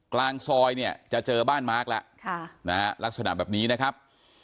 กลางซอยเนี่ยจะเจอบ้านมาร์คแล้วลักษณะแบบนี้นะครับ